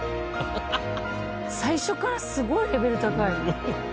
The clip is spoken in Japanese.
最初からすごいレベル高い。